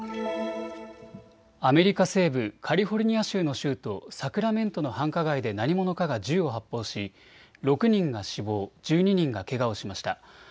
アメリカ西部、カリフォルニア州の州都、サクラメントの繁華街で何者かが銃を発砲し６人が死亡、１２人がけがをしました。